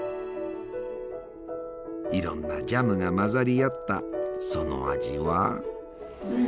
いろんなジャムが混ざり合ったその味は？